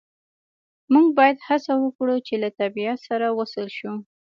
موږ باید هڅه وکړو چې له طبیعت سره وصل شو